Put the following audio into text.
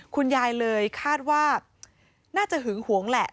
คุณยายเลยคาดว่าน่าจะหึงหวงแหละ